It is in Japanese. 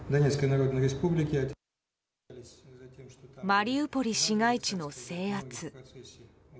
マリウポリ市街地の制圧。